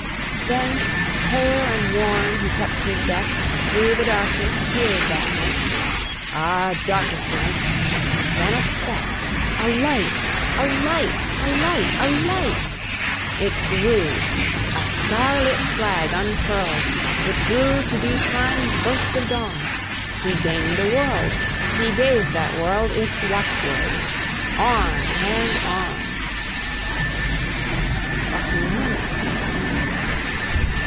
Then, pale and worn, he kept his deck, And thro' the darkness peered that night. Ah, darkest night! and then a speck, A light! a light! a light! a light! It grew a star lit flag unfurled! It grew to be Time's burst of dawn; He gained a world! he gave that world Its watch word: "On! and on!" JOAQUIN MILLER.